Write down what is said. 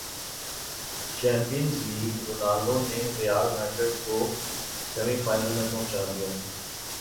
champions league Ronaldo نے Real Madrid کوسیمی final میں پہنچادیا